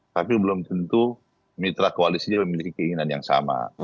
tapi belum tentu mitra koalisinya memiliki keinginan yang sama